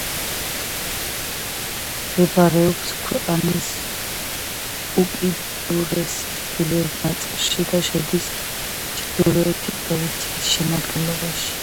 მდებარეობს ქვეყნის უკიდურეს ჩრდილოეთ ნაწილში და შედის ჩრდილოეთი პროვინციის შემადგენლობაში.